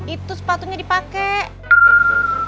itu sepatunya dipakai